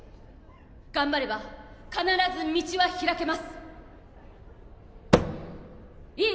頑張れば必ず道はひらけますいい？